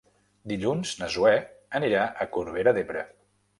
Dilluns na Zoè anirà a Corbera d'Ebre.